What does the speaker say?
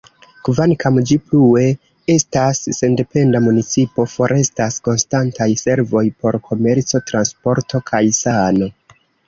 Kvankam ĝi plue estas sendependa municipo, forestas konstantaj servoj por komerco, transporto kaj sano.